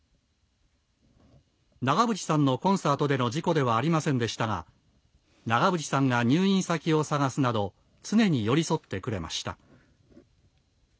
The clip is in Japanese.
長渕さんのコンサートでの事故ではありませんでしたが長渕さんが入院先を探すなど常に寄り添ってくれました。